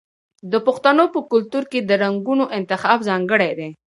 د پښتنو په کلتور کې د رنګونو انتخاب ځانګړی دی.